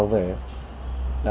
về sơn la